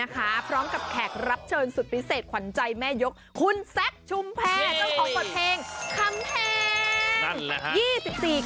คุณแซ็คชุมแพ้ต้องออกปลอดเพลงคำแพง